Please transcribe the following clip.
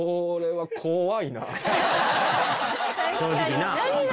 「正直な」